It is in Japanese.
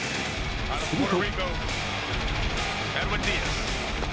すると。